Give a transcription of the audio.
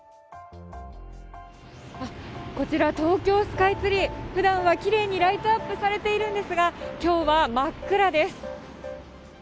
こちら、東京スカイツリー、ふだんはきれいにライトアップされているんですが、きょうは真っ暗です。